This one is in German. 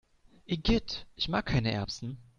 Igitt, ich mag keine Erbsen!